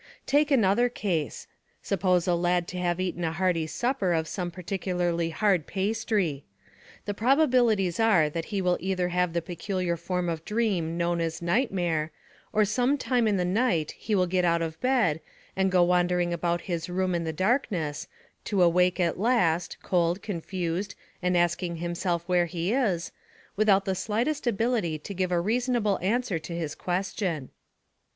Take another case. Suppose a lad to have eaten a hearty supper of some particularly hard pastry. The probabilities are that he will either have the peculiar form of dream known as nightmare, or some time in the night he will get out of bed, and go wandering about his room in the darkness, to awake at last, cold, confused, and asking himself where he is, without the slightest ability to give a reasonable answer to his question.